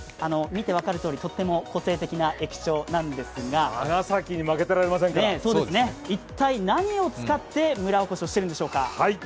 見てわかるとおり、とっても個性的な駅長なんですが一体何を使って村おこしをしているんでしょうか。